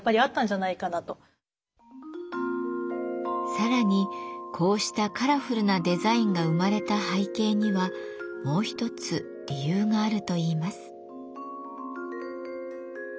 さらにこうしたカラフルなデザインが生まれた背景にはもうひとつ理由があるといいます。